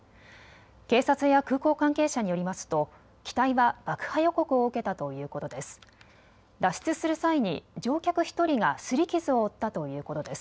警察や空港関係者によりますと機体は爆破予告を受けたということです。